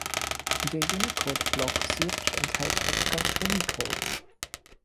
Der Unicodeblock Syrisch enthält auch Garschuni-Codes.